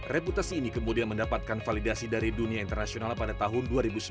reputasi ini kemudian mendapatkan validasi dari dunia internasional pada tahun dua ribu sembilan belas